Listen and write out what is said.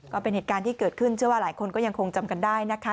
ก็เป็นเหตุการณ์ที่เกิดขึ้นเชื่อว่าหลายคนก็ยังคงจำกันได้นะคะ